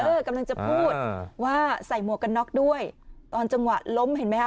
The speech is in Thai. กำลังจะพูดว่าใส่หมวกกันน็อกด้วยตอนจังหวะล้มเห็นไหมฮะ